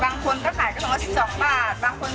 บางคนก็ขายกระทงละ๑๒บาท